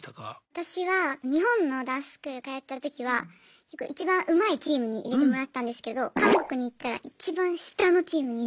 私は日本のダンススクール通ってたときはいちばんうまいチームに入れてもらってたんですけど韓国に行ったらいちばん下のチームに入れられました。